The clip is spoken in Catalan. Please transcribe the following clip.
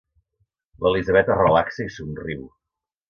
L'Elisabet es relaxa i somriu.